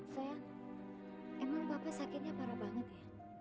saya emang bapak sakitnya parah banget ya